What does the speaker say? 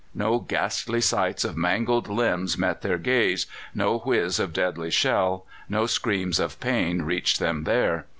No ghastly sights of mangled limbs met their gaze, no whizz of deadly shell, no scream of pain reached them there.